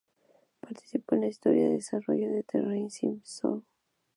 Participó en la historia de desarrollo en The Ren and Stimpy Show.